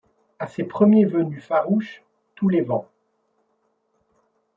A ces premiers venus farouches, tous les vents ;